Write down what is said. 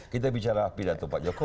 kita bicara pidato pak jokowi